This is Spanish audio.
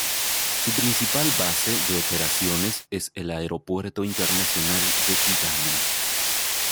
Su principal base de operaciones es el Aeropuerto Internacional de Kigali.